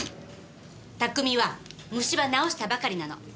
拓海は虫歯治したばかりなの。